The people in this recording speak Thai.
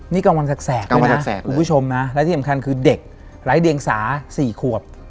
นี่กังวลแสกเลยนะคุณผู้ชมนะและที่สำคัญคือเด็กไร้เดียงสา๔ควบ